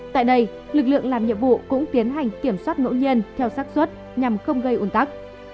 tại đây lực lượng làm nhiệm vụ cũng tiến hành kiểm soát ngẫu nhiên theo sát xuất nhằm không gây un tắc